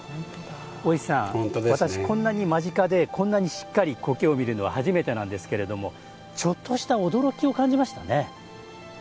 大石さん、私、こんなに間近でこんなにしっかり苔を見るのは初めてなんですけれどもちょっとした驚きを感じましたね。